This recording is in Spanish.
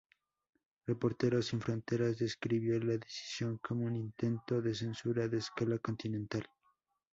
Reporteros Sin Fronteras describió la decisión como "un intento de censura de escala continental".